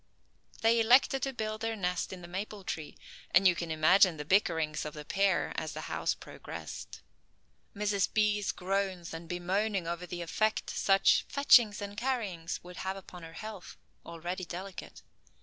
They elected to build their nest in the maple tree, and you can imagine the bickerings of the pair as the house progressed. Mrs. B's. groans and bemoaning over the effect, such "fetchings and carryings" would have upon her health, already delicate.